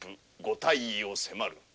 ご退位を迫る。